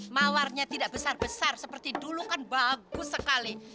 mawarnya tidak besar besar seperti dulu kan bagus sekali